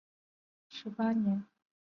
明命十八年。